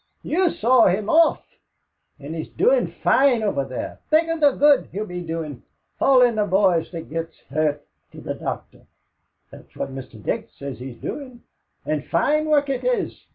You saw him off. An' he's doin' fine over there. Think of the good he'll be doin', haulin' the boys that gets hurt to the doctor that's what Mr. Dick says he doin'. And fine work it is.